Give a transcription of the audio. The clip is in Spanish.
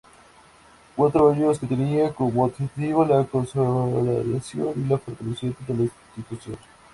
Cuatro años que tenían como objetivo la consolidación y fortalecimiento de la institución.